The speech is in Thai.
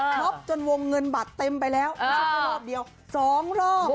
ชอปจนวงเงินบัตรเต็มไปแล้วเหรอรอบเดียว๒รอบ